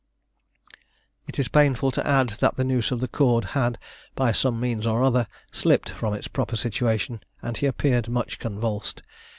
It is painful to add that the noose of the cord had, by some means or other, slipped from its proper situation, and he appeared much convulsed.